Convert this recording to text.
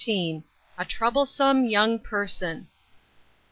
A TROUBLESOME "YOUNG PERSON."